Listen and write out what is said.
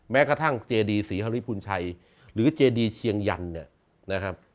แม้กระทั่งเจดีศรีฮริพุนชัยหรือเจดีเชียงยันเนี่ยนะครับ